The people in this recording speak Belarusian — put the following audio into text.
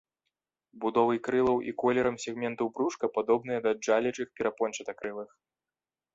Будовай крылаў і колерам сегментаў брушка падобныя да джалячых перапончатакрылых.